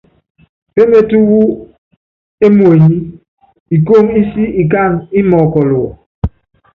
Pémetú wú émuenyí, ikóŋó ísi ikáanɛ́ ímɔɔ́kɔl wɔ.